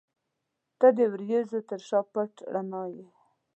• ته د وریځو تر شا پټ رڼا یې.